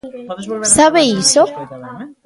¿Sabe iso?